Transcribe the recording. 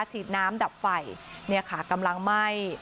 ฉีดน้ำดับไฟเนี่ยค่ะกำลังไหม้